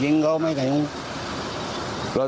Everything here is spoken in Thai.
จริงครับไม่ได้หยุดกัน